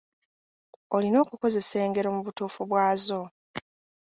Olina okukozesa engero mu butuufu bwazo.